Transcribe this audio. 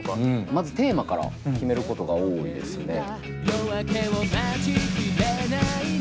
まずテーマから決めることが多いですね。